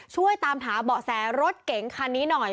ช่วยตามหาเบาะแสรถเก๋งคันนี้หน่อย